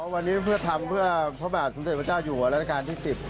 วันนี้เพื่อทำเพื่อพระบาทสมเด็จพระเจ้าอยู่หัวราชการที่๑๐